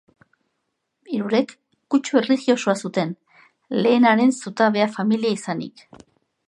Hirurek kutsu erlijiosoa zuten, lehenaren zutabea familia izanik.